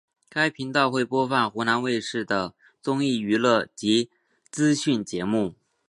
该频道会播放湖南卫视的综艺娱乐及资讯节目。